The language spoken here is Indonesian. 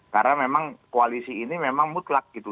karena memang koalisi ini memang mutlak gitu